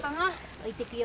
置いてくよ。